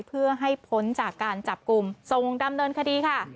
เพื่อให้พ้นจากการจับกลุ่มส่งดำเนินคดีค่ะ